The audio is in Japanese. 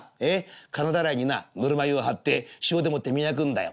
金だらいになぬるま湯を張って塩でもって磨くんだよ。